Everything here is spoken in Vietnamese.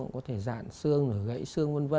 có thể dạn xương gãy xương v v